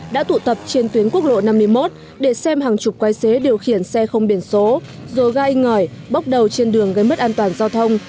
đã tụ tập trên tuyến quốc lộ năm mươi một để xem hàng chục quái xế điều khiển xe không biển số dồ gai ngỏi bốc đầu trên đường gây mất an toàn giao thông